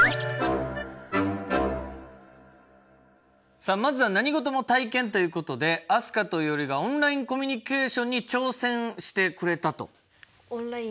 さあまずは何事も体験ということで飛鳥といおりがオンラインコミュニケーションに挑戦してくれたと。